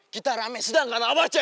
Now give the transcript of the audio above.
kita rame sedang karena abah cs